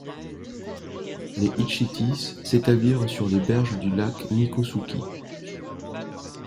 Les Hitchitis s'établirent sur les berges du lac Miccosukee.